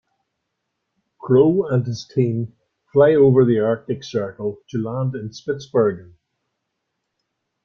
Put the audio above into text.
Crowe and his team fly over the Arctic Circle to land in Spitzbergen.